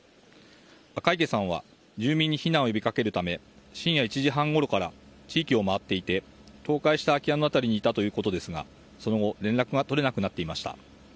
赤池さんは住民に避難を呼びかけるため深夜１時半ごろから地域を回っていて倒壊した空き家の辺りにいたということですがその後、連絡が取れなくなっていました。